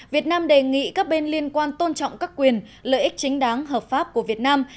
việt nam đề nghị các bên liên quan tôn trọng các quyền lợi ích chính đáng hợp pháp của việt nam